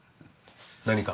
何か？